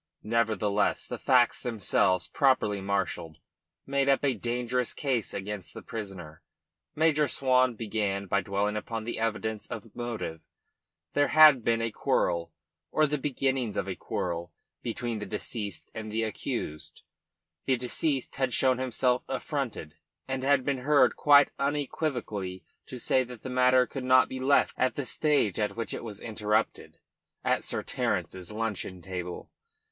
Nevertheless the facts themselves, properly marshalled, made up a dangerous case against the prisoner. Major Swan began by dwelling upon the evidence of motive: there had been a quarrel, or the beginnings of a quarrel, between the deceased and the accused; the deceased had shown himself affronted, and had been heard quite unequivocally to say that the matter could not be left at the stage at which it was interrupted at Sir Terence's luncheon table.